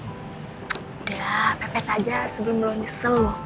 udah pepet aja sebelum lo nyesel